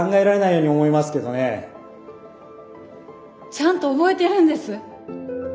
ちゃんと覚えてるんです。